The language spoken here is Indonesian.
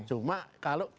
cuma kalau itu